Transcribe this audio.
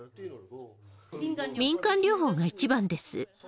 民間療法が一番です。